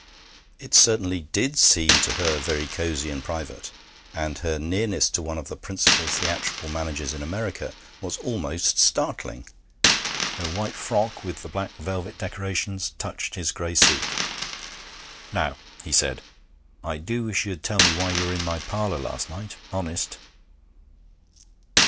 It certainly did seem to her very cosy and private, and her nearness to one of the principal theatrical managers in America was almost startling. Her white frock, with the black velvet decorations, touched his gray suit. 'Now,' he said, 'I do wish you'd tell me why you were in my parlour last night. Honest.'